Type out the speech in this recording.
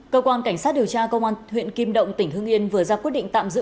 cơ quan cảnh sát điều tra công an huyện kim động tỉnh hưng yên vừa ra quyết định tạm giữ